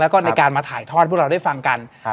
แล้วก็ในการมาถ่ายทอดพวกเราได้ฟังกัน